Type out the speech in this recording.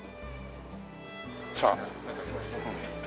さあ。